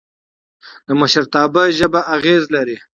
د مشرتابه ژبه اغېز لري